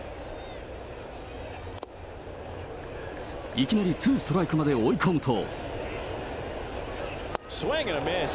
いきなり、ツーストライクまで追い込むと。